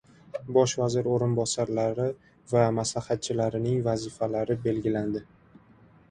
Bosh vazir o‘rinbosarlari va maslahatchilarining vazifalari belgilandi